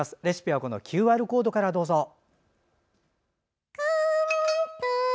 レシピはＱＲコードからどうぞ。